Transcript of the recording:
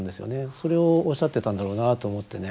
それをおっしゃってたんだろうなと思ってね